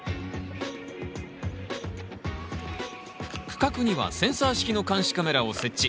区画にはセンサー式の監視カメラを設置。